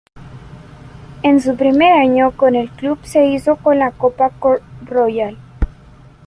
En su primer año con el club se hizo con la Copa Kor Royal.